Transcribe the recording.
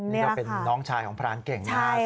นี่ก็เป็นน้องชายของพรานเก่งนะครับ